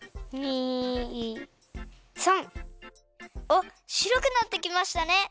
あっしろくなってきましたね！